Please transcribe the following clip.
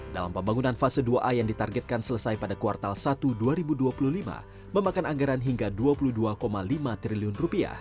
dalam pembangunan fase dua a yang ditargetkan selesai pada kuartal satu dua ribu dua puluh lima memakan anggaran hingga rp dua puluh dua lima triliun